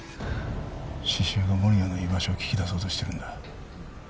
獅子雄が守谷の居場所を聞き出そうとしてるんだ。